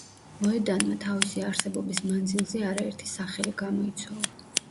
მოედანმა თავისი არსებობის მანძილზე არაერთი სახელი გამოიცვალა.